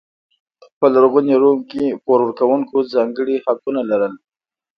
په لرغوني روم کې پور ورکوونکو ځانګړي حقونه لرل.